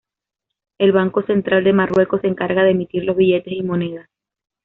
El Banco Central de Marruecos se encarga de emitir los billetes y monedas.